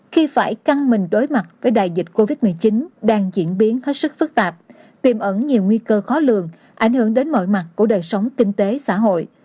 khi phải căng mình đối mặt với đại dịch covid một mươi chín đang diễn biến hết sức phức tạp tiềm ẩn nhiều nguy cơ khó lường ảnh hưởng đến mọi mặt của đời sống kinh tế xã hội